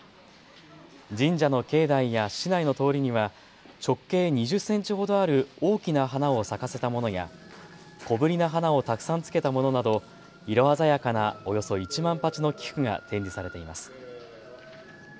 神社の境内や市内の通りには直径２０センチほどある大きな花を咲かせたものや小ぶりな花をたくさんつけたものなど色鮮やかなおよそ１万鉢の菊が展示されています。